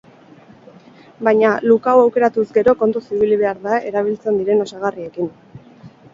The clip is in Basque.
Baina, look hau aukeratuz gero kontuz ibili behar da erabiltzen diren osagarriekin.